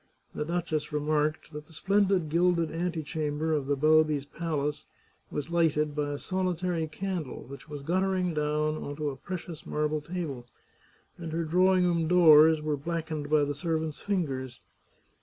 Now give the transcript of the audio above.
The duchess remarked that the splendid gilded antechamber of the Balbi's palace was lighted by a solitary candle, which was guttering down on to a precious marble table, and her drawing room doors were blackened by the servants' fingers.